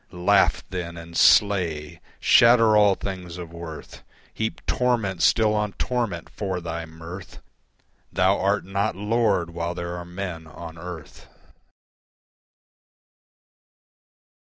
Laugh then and slay. Shatter all things of worth, Heap torment still on torment for thy mirth Thou art not Lord while there are Men on earth.